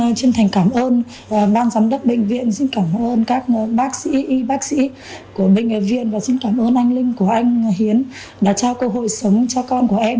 xin chân thành cảm ơn ban giám đốc bệnh viện xin cảm ơn các bác sĩ của bệnh viện và xin cảm ơn anh linh của anh hiến đã trao cơ hội sống cho con của em